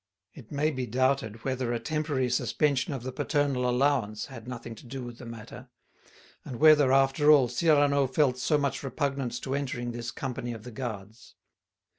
It may be doubted whether a temporary suspension of the paternal allowance had nothing to do with the matter; and whether, after all, Cyrano felt so much repugnance to entering this company of the Guards.